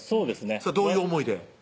それはどういう思いで？